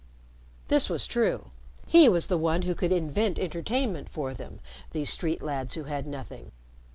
This was true. He was the one who could invent entertainment for them, these street lads who had nothing.